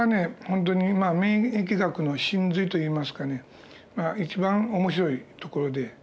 ほんとに免疫学の神髄といいますかね一番面白いところで。